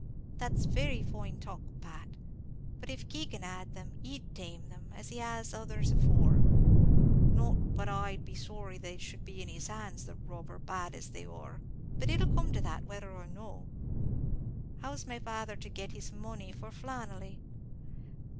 "That's very fine talk, Pat; but if Keegan had them, he'd tame them, as he has others before; not but I'd be sorry they should be in his hands, the robber, bad as they are. But it'll come to that, whether or no. How's my father to get this money for Flannelly?"